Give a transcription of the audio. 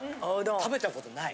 食べたことない。